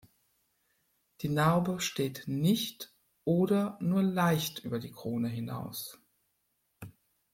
Die Narbe steht nicht oder nur leicht über die Krone hinaus.